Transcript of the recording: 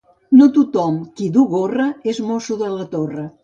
No tothom qui du gorra és el mosso de la torre.